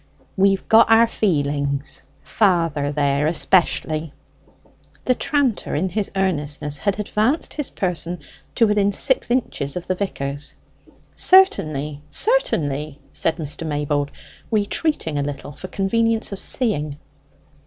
"We've got our feelings father there especially." The tranter, in his earnestness, had advanced his person to within six inches of the vicar's. "Certainly, certainly!" said Mr. Maybold, retreating a little for convenience of seeing.